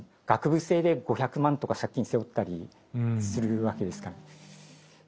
学部生で５００万円とか借金背負ったりするわけですから。